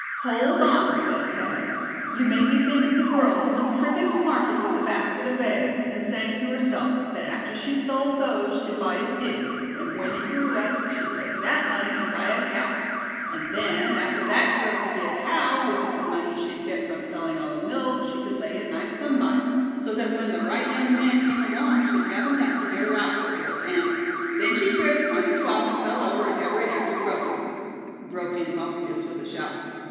"Hold on," said Thad, "you make me think of the girl who was tripping to market with a basket of eggs, and saying to herself, that after she'd sold those she'd buy a pig; and when it grew up, she'd take that money and buy a calf; and then, after that grew up to be a cow, with the money she'd get from selling all the milk she could lay a nice sum by, so that when the right young man came along she'd have enough to get her outfit with, and——" "Then she tripped once too often, fell over, and every egg was broken," broke in Bumpus, with a shout.